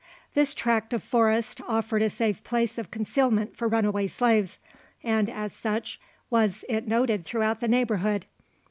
This tract of forest offered a safe place of concealment for runaway slaves; and, as such, was it noted throughout the neighbourhood.